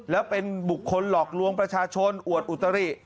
แล้วเป็นบุคคลหลอกลวงประชาชนอวดอุตริ